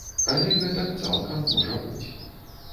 Але гэтак цалкам можа быць.